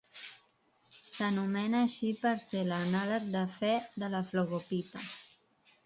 S'anomena així per ser l'anàleg de Fe de la flogopita.